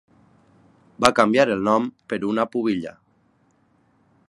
Va canviar el nom per una pubilla.